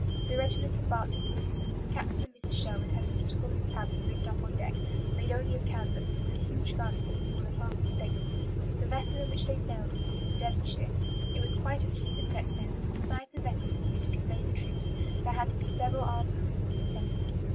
The regiment embarked at Portsmouth. Captain and Mrs. Sherwood had a miserable little cabin rigged up on deck, made only of canvas, and with a huge gun filling more than half the space. The vessel in which they sailed was called the Devonshire. It was quite a fleet that set sail, for besides the vessels needed to convey the troops, there had to be several armed cruisers in attendance.